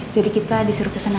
jadi kita disuruh kesana